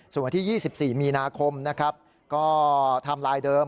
ส่วนวันที่๒๔มีนาคมนะครับก็ไทม์ไลน์เดิม